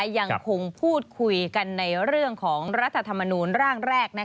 ยังคงพูดคุยกันในเรื่องของรัฐธรรมนูลร่างแรก